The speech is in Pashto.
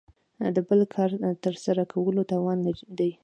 د بل کار تر سره کولو توان دی.